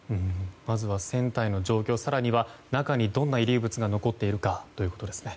まずは船体の状況そして中にどんな遺留物が残っているかということですね。